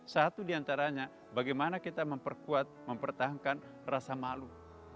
satu di antaranya bagaimana kita memperkuat mempertahankan rasa malu